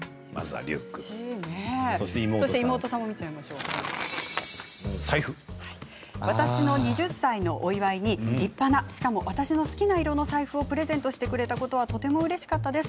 兄は私の二十歳のお祝いに立派なしかも私の好きな色の財布をプレゼントしてくれたことはとてもうれしかったです。